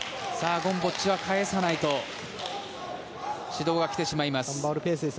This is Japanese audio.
ゴムボッチは返さないと指導が来てしまいます。